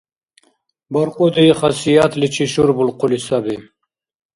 Баркьуди хасиятличи шурбулхъули саби